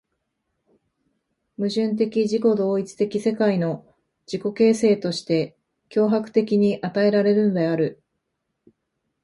矛盾的自己同一的世界の自己形成として強迫的に与えられるのである。